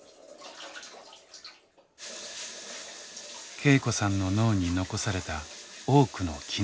恵子さんの脳に残された多くの機能。